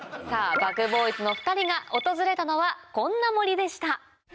ＢｕｇＢｏｙｓの２人が訪れたのはこんな森でした。